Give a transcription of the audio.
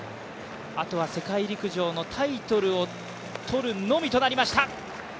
あとは世界陸上のタイトルを取るのみとなりました。